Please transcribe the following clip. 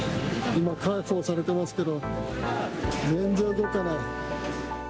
今、介抱されてますけど、全然動かない。